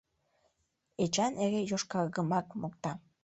Эчан эре йошкаргымак мокта.